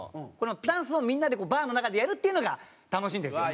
ダンスをみんなでバーの中でやるっていうのが楽しいんですよね。